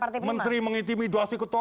partai prima oh iya menteri mengintimidasi ketua